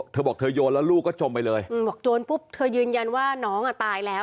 เธอบอกเธอโยนแล้วลูกก็จมไปเลยอืมบอกโยนปุ๊บเธอยืนยันว่าน้องอ่ะตายแล้ว